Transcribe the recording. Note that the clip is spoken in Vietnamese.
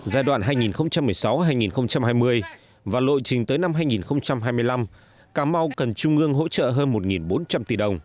giai đoạn hai nghìn một mươi sáu hai nghìn hai mươi và lộ trình tới năm hai nghìn hai mươi năm cà mau cần trung ương hỗ trợ hơn một bốn trăm linh tỷ đồng